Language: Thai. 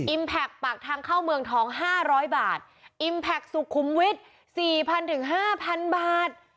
แพคปากทางเข้าเมืองทองห้าร้อยบาทอิมแพคสุขุมวิทย์สี่พันถึงห้าพันบาท